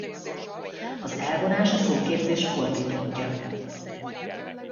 Az elvonás a szóképzés fordítottja.